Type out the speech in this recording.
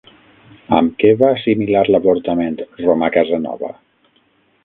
Amb què va assimilar l'avortament Romà Casanova?